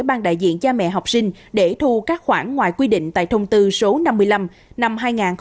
ban đại diện cha mẹ học sinh để thu các khoản ngoài quy định tại thông tư số năm mươi năm năm hai nghìn một mươi